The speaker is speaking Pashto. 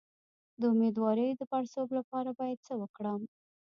د امیدوارۍ د پړسوب لپاره باید څه وکړم؟